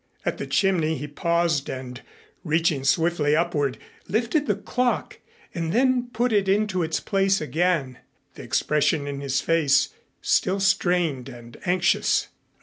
At the chimney he paused and, reaching swiftly upward, lifted the clock and then put it into its place again, the expression in his face still strained and anxious.